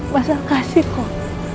masalah kasih kok